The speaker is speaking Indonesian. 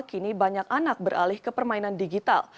kini banyak anak beralih ke permainan digital